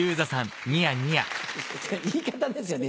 言い方ですよね